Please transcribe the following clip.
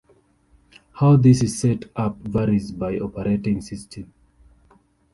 How this is set up varies by operating system.